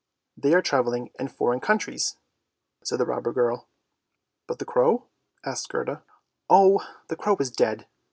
" They are travelling in foreign countries," said the robber girl '„" But the crow? " asked Gerda. " Oh, the crow is dead!